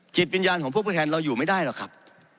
จิตวิญญาณของพวกผู้แทนเราอยู่ไม่ได้หรอกครับ